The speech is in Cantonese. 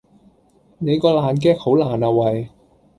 你個爛 gag 好爛呀喂